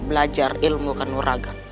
belajar ilmu kanuragan